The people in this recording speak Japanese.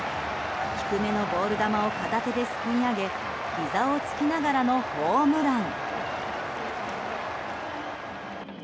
低めのボール球を片手ですくい上げひざをつきながらのホームラン。